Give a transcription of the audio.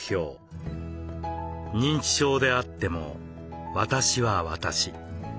「認知症であっても私は私。